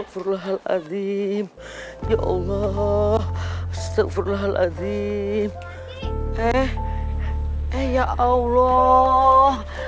astagfirullahaladzim ya allah astagfirullahaladzim eh eh ya allah